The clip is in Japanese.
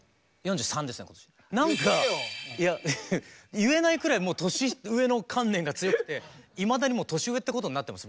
言えないくらい年上の観念が強くていまだにもう年上ってことになってます